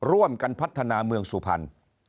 ร่วมกันพัฒนาเมืองสุพรรณ